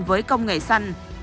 với công nghệ xanh